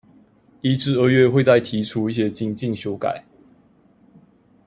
一至二月會再提出一些精進修改